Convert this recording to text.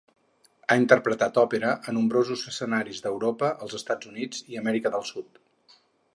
Ha interpretat òpera a nombrosos escenaris d'Europa, els Estats Units i Amèrica del Sud.